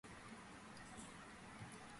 ერთხანს ცხოვრობდა საქართველოში.